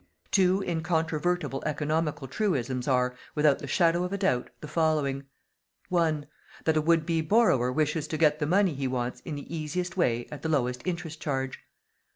Two incontrovertible economical truisms are, without the shadow of a doubt, the following: 1. That a would be borrower wishes to get the money he wants in the easiest way at the lowest interest charge; 2.